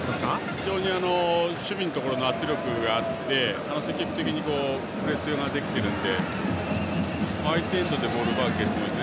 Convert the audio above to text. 非常に守備のところに圧力があって積極的にプレスができているので相手エンドでボールを奪うケースもありますね。